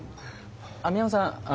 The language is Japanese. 網浜さん